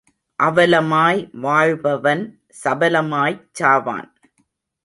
அவலமாய் வாழ்பவன் சபலமாய்ச் சாவான்.